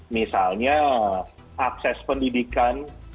misalnya akses pendidikan